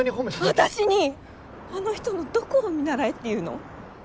私にあの人のどこを見習えっていうの？